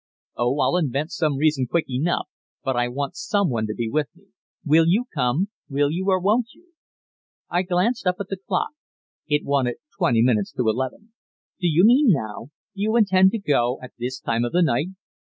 "Oh, I'll invent some reason quick enough, but I want someone to be with me. Will you come? Will you or won't you?" I glanced up at the clock. It wanted twenty minutes to eleven. "Do you mean now? Do you intend to go at this time of the night?"